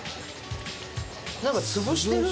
なんか潰してる？